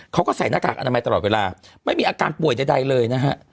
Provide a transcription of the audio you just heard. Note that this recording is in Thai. เขาก็ใส่หน้ากากอนามัยตลอดเวลาไม่มีอาการป่วยใดเลยนะฮะ